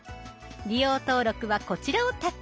利用登録はこちらをタッチ。